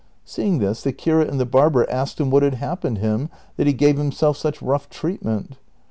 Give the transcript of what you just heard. Seeing this, the curate and the barber asked him what had happened him that he gave himself such rough treatment.